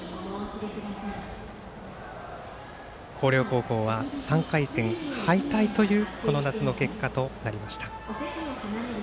広陵高校は３回戦敗退という夏の結果となりました。